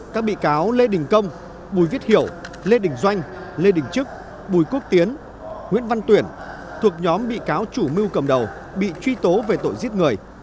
các bị cáo lê đình công bùi viết hiểu lê đình doanh lê đình trức bùi quốc tiến nguyễn văn tuyển thuộc nhóm bị cáo chủ mưu cầm đầu bị truy tố về tội giết người